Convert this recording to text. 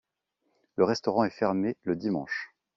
Le restaurant est fermé le dimanche.